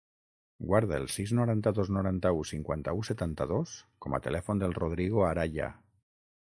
Guarda el sis, noranta-dos, noranta-u, cinquanta-u, setanta-dos com a telèfon del Rodrigo Araya.